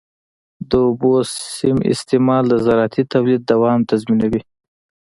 د اوبو سم استعمال د زراعتي تولید دوام تضمینوي.